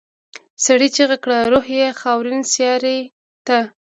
سړي چيغه کړه روح یې خاورینې سیارې ته.